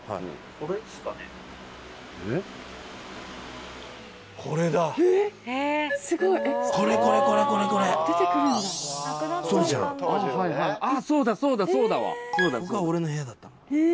ここが俺の部屋だったの。